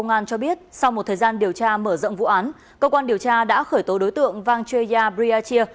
bộ công an cho biết sau một thời gian điều tra mở rộng vụ án cơ quan điều tra đã khởi tố đối tượng vang chueya briachia